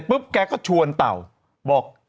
ดื่มน้ำก่อนสักนิดใช่ไหมคะคุณพี่